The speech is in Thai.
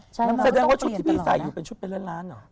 เสร็จแล้วว่าชุดที่พี่ใส่อยู่เป็นชุดใบเล่นร้านเหรอ